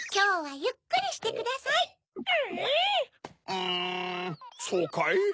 うんそうかい？